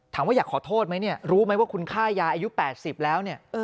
อยากขอโทษไหมเนี่ยรู้ไหมว่าคุณฆ่ายายอายุ๘๐แล้วเนี่ย